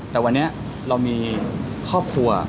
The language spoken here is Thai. แต่วันนี้เรามีครอบครัว